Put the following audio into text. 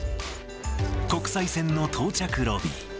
国際線の到着ロビー。